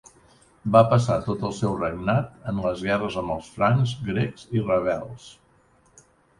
Va passar tot el seu regnat en les guerres amb els francs, grecs, i rebels.